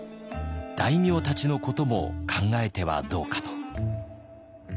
大名たちのことも考えてはどうか」と。